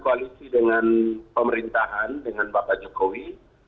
saya berkongsi dengan pemerintahan dengan bapak jokowi